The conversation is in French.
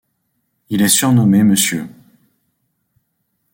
Il est surnommé Mr.